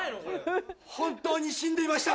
本当に死んでいました。